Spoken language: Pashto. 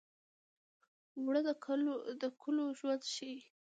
اوړه د کلو ژوند ښيي